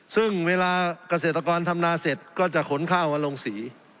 ซึ่งเวลาเกษตรกรทำนาเสร็จก็จะขนข้าวมาลงสี